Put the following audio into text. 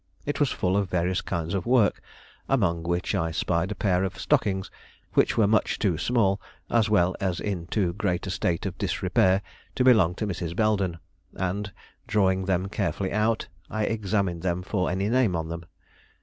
It was full of various kinds of work, among which I spied a pair of stockings, which were much too small, as well as in too great a state of disrepair, to belong to Mrs. Belden; and drawing them carefully out, I examined them for any name on them.